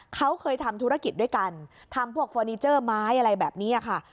เขาเคยทำธุรกิจด้วยกันทำพวกเฟอร์นิเจอร์ไม้อะไรแบบนี้ค่ะ